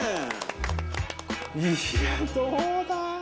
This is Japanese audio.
「いやどうだ？」